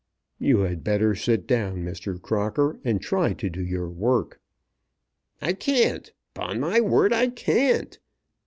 "You had better sit down, Mr. Crocker, and try to do your work." "I can't; upon my word I can't.